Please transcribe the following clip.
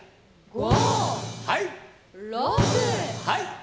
はい。